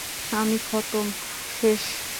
আমি খতম, শেষ।